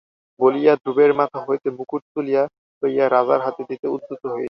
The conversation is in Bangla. বলিয়া ধ্রুবের মাথা হইতে মুকুট তুলিয়া লইয়া রাজার হাতে দিতে উদ্যত হইলেন।